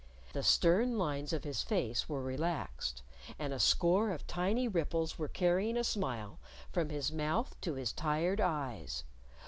The stern lines of his face were relaxed, and a score of tiny ripples were carrying a smile from his mouth to his tired eyes.